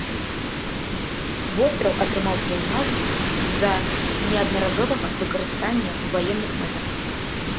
Востраў атрымаў сваю назву з-за неаднаразовага выкарыстання ў ваенных мэтах.